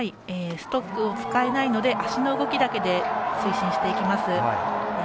ストックを使えないので脚の動きだけで推進していきます。